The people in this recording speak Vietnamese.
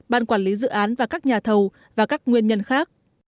ban quản lý dự án và các nhà thầu và các nguyên nhân khác